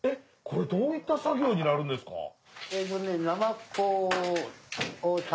これどういった作業になるんですか？